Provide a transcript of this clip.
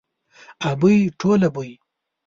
ابۍ ټوله بۍ.